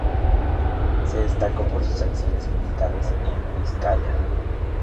Se destacó por sus acciones militares en Vizcaya.